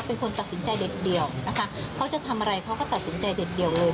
เป็นคนตัดสินใจเด็ดเดี่ยวนะคะเขาจะทำอะไรเขาก็ตัดสินใจเด็ดเดี่ยวเลย